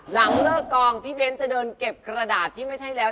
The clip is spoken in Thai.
หลังเลิกกองพี่เบ้นจะเดินเก็บกระดาษที่ไม่ใช่แล้ว